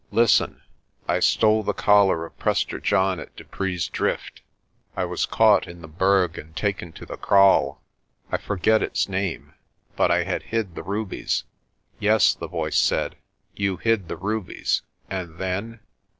"Listen. I stole the collar of Prester John at Dupree's Drift. I was caught in the Berg and taken to the kraal I forget its name but I had hid the rubies." "Yes," the voice said, "you hid the rubies and then?'